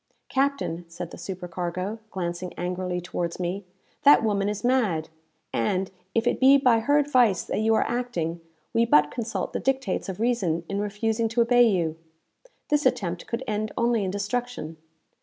"Captain," said the supercargo, glancing angrily towards me, "that woman is mad; and, if it be by her advice that you are acting, we but consult the dictates of reason in refusing to obey you. This attempt could end only in destruction.